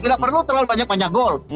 tidak perlu terlalu banyak banyak gol